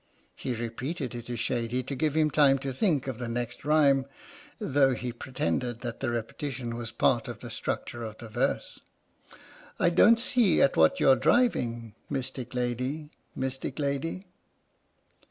(He repeated "it is shady" to give him time to think of the next rhyme, though he pretended that the repetition was part of the structure of the verse.) 86 H.M.S. "PINAFORE" I don't see at what you're driving, Mystic lady — mystic lady!